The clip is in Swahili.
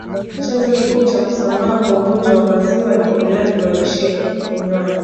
Chanzo kikuu cha kusambaa kwa ugonjwa wa maziwa ni ulaji wa lishena unywaji